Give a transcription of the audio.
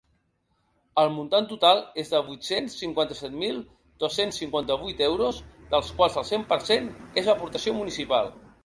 El muntant total és de vuit-cents cinquanta-set mil dos-cents cinquanta-vuit euros, dels quals el cent per cent és aportació municipal.